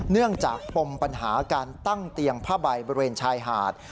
เนื่องจากปมปัญหาการตั้งเตียงผ้าใบบริเวณชายหาด